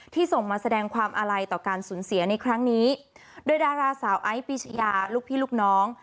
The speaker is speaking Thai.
ส่งมาแสดงความอาลัยต่อการสูญเสียในครั้งนี้โดยดาราสาวไอซ์ปีชยาลูกพี่ลูกน้อง